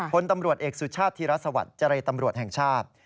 พลตำรวจเอกสุชาติธีรสวัสดิ์เจรตำรวจแห่งชาติ